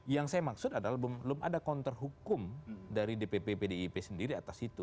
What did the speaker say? yang saya maksud adalah belum ada counter hukum dari dpp pdip sendiri atas itu